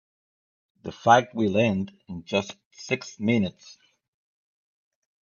The fight will end in just six minutes.